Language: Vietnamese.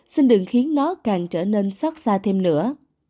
sinh đừng khiến nó càng trở nên xót xa thêm nữa